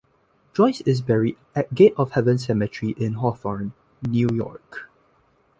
Joyce is buried at Gate of Heaven Cemetery in Hawthorne, New York.